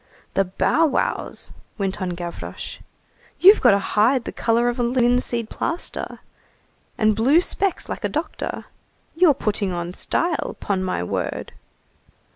"The bow wows!" went on Gavroche, "you've got a hide the color of a linseed plaster, and blue specs like a doctor. You're putting on style, 'pon my word!"